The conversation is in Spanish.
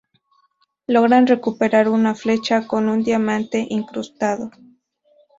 Logran recuperar una flecha con un diamante incrustado.